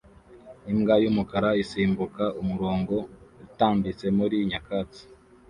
Imbwa yumukara isimbuka umurongo utambitse muri nyakatsi